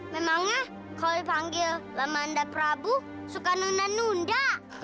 memangnya kalau dipanggil lama anda prabu suka nunda nunda